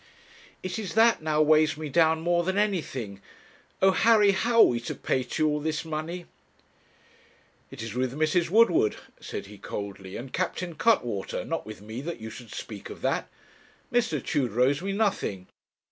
It is that now weighs me down more than anything. Oh! Harry, how are we to pay to you all this money?' 'It is with Mrs. Woodward,' said he coldly, 'and Captain Cuttwater, not with me, that you should speak of that. Mr. Tudor owes me nothing.'